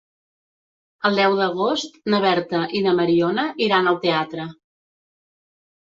El deu d'agost na Berta i na Mariona iran al teatre.